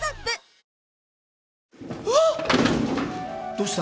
どうした？